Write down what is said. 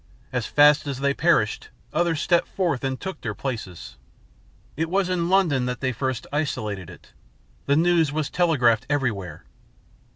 As fast as they perished, others stepped forth and took their places. It was in London that they first isolated it. The news was telegraphed everywhere.